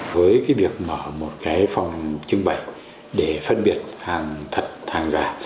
với việc mở một cái phòng trưng bày để phân biệt hàng thật hàng giả